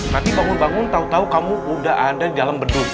nanti bangun bangun tau tau kamu udah ada di dalam beduk